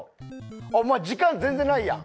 あっお前時間全然ないやん！